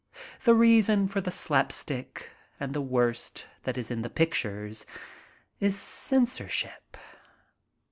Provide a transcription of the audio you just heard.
The reason for the slap stick and the worst that is in pictures, is censorship.